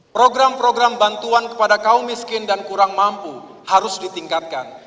program program bantuan kepada kaum miskin dan kurang mampu harus ditingkatkan